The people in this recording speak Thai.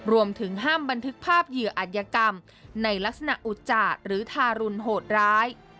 รวมถึงห้ามบันทึกภาพเหยื่ออัธยกรรมในลักษณะอุจจาหรือทารุณโหดร้าย